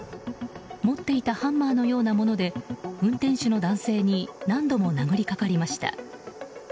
持っていたハンマーのようなもので運転手の男性に何度も殴りかかりました。